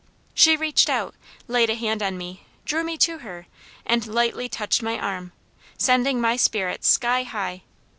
She reached out, laid a hand on me, drew me to her, and lightly touched my arm, sending my spirits sky high.